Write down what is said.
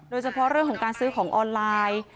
โดยเฉพาะเรื่องของการซื้อของออนไลน์